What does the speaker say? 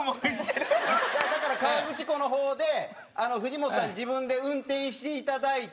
だから河口湖の方で藤本さん自分で運転して頂いて。